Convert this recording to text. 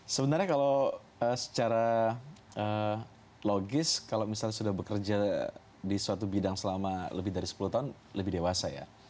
sebenarnya kalau secara logis kalau misalnya sudah bekerja di suatu bidang selama lebih dari sepuluh tahun lebih dewasa ya